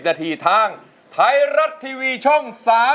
๑๘น๒๐นทางไทยรัตทีวีช่อง๓๒